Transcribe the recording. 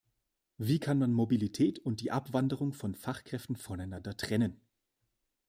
Wie kann man Mobilität und die Abwanderung von Fachkräften voneinander trennen?